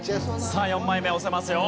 さあ４枚目押せますよ。